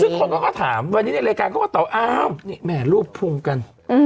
ซึ่งคนก็ถามวันนี้ในรายการเขาก็ตอบอ้าวนี่แหมรูปพุงกัน